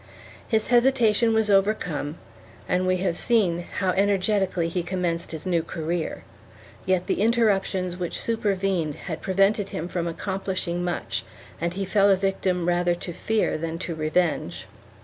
4 His hesitation was overcome and we have seen how ener getically he commenced his new career, yet the interruptions which supervened had prevented him from accomplishing much and he fell a victim rather to fear than to revenge.